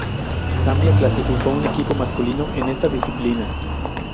Zambia clasificó un equipo masculino en esta disciplina.